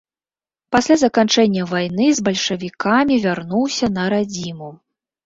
Пасля заканчэння вайны з бальшавікамі вярнуўся на радзіму.